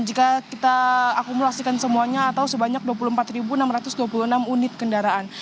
jika kita akumulasikan semuanya atau sebanyak dua puluh empat enam ratus dua puluh enam unit kendaraan